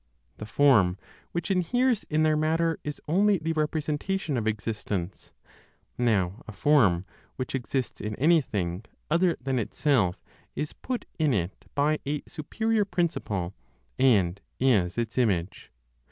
The form which inheres in their matter is only the representation of existence; now a form which exists in anything other than itself is put in it by a superior principle, and is its image.